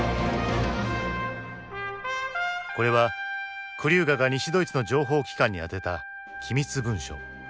これはクリューガが西ドイツの情報機関に宛てた機密文書。